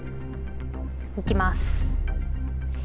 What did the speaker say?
いきます。